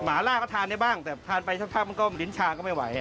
หล่าก็ทานได้บ้างแต่ทานไปสักพักมันก็ลิ้นชาก็ไม่ไหว